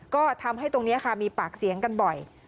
ก็ทำให้ตรงนี้ค่ะมีปากเสียงกันบ่อย